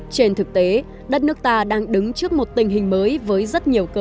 trên thực tế đất nước ta đang đứng trước một tình hình mới với rất nhiều khó khăn